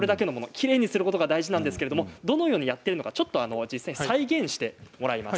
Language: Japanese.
きれいにすることが大事なんですがどのようにやっているのか再現してもらいます。